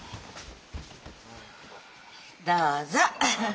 どうぞ。